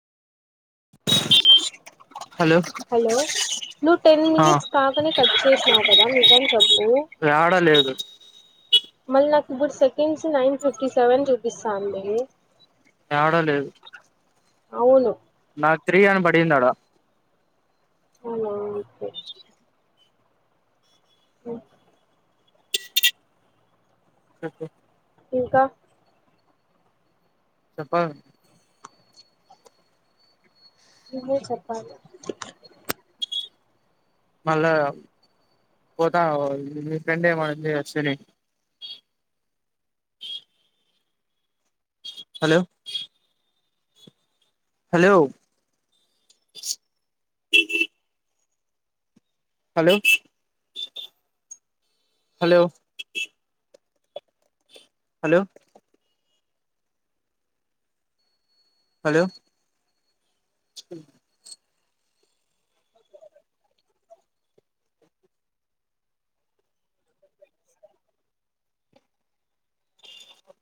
Hello hello నువ్వు ten ఆ minutes కాకనే కట్ చేసినావు కదా నిజం చెప్పు యాడ లేదు మల్లా నాకు ఇప్పుడు సెకండ్స్ నైన్ ఫిఫటీ సెవన్ చూపిస్తాంది రావడం లేదు అవును నా త్రీ అన్న బడింది ఆడ అవునా ఒకే ఓ ఓకే ఇంకా చెప్పా ఇే చెప్పాలి మళ్ళా పోతావ మీ ఫ్రెండ్ ఏమంది. Ashwini hello hello hello hello hello hello